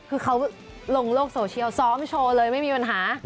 คือเขาลงโลกโซเชียลซ้อมโชว์เลยไม่มีปัญหา